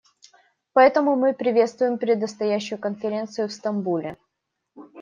Поэтому мы приветствуем предстоящую конференцию в Стамбуле.